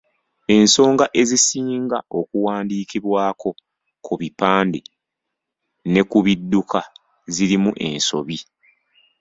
Ensonga ezisinga okuwandiikibwako ku bipande ne ku bidduka zirimu ensobi.